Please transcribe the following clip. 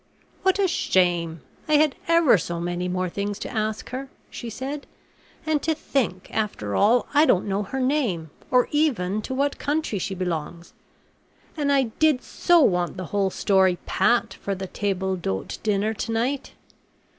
"What a shame! I had ever so many more things to ask her," she said, "and to think, after all, I don't know her name, or even to what country she belongs, and I did so want the whole story pat for the table d'hote dinner to night...